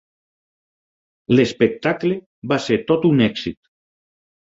L'espectacle va ser tot un èxit.